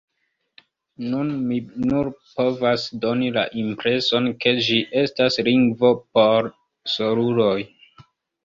Nun, mi nur povas doni la impreson ke ĝi estas lingvo por soluloj.